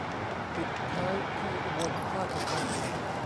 ปิดท้ายที่อุบลราชธานี